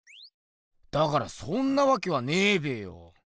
だからそんなわけはねえべよ。